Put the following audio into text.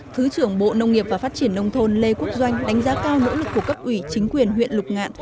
thứ trưởng bộ nông nghiệp và phát triển nông thôn lê quốc doanh đánh giá cao nỗ lực của cấp ủy chính quyền huyện lục ngạn